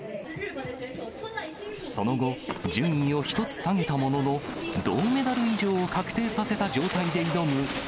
その後、順位を１つ下げたものの、銅メダル以上を確定させた状態で挑む